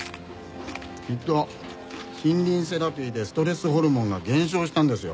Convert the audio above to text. きっと森林セラピーでストレスホルモンが減少したんですよ。